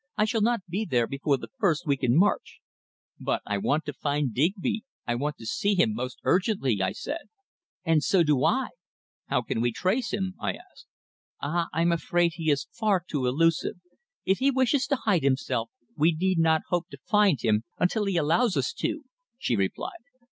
I shall not be there before the first week in March." "But I want to find Digby I want to see him most urgently," I said. "And so do I!" "How can we trace him?" I asked. "Ah! I am afraid he is far too elusive. If he wishes to hide himself we need not hope to find him until he allows us to," she replied.